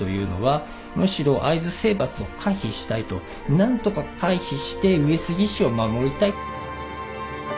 何とか回避して上杉氏を守りたい。